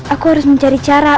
aku harus mencari cara